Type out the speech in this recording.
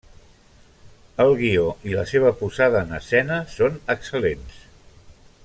El guió i la seva posada en escena són excel·lents.